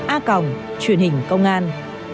a truyền hình công an